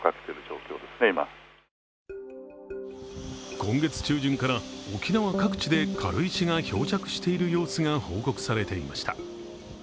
今月中旬から沖縄各地で軽石が漂着している様子が報告されていました。